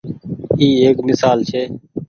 اي ايڪ ميسال ڇي۔